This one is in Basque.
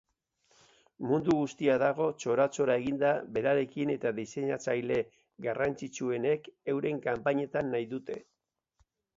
Mundu guztia dago txora-txora eginda berarekin eta diseinatzaile garrantzitsuenek euren kanpainetan nahi dute.